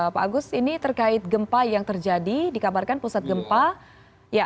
pak agus ini terkait gempa yang terjadi dikabarkan pusat gempa